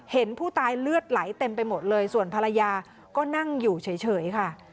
เห็นผู้ตายเลือดไหลเต็มไปหมดเลยส่วนภรรยาก็นั่งอยู่เฉยค่ะ